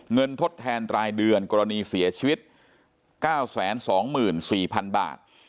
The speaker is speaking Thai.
ทดแทนรายเดือนกรณีเสียชีวิต๙๒๔๐๐๐บาท